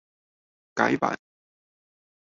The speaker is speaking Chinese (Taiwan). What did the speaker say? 改版